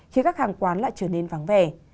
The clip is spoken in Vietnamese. khiến các hàng quán lại trở nên vắng vẻ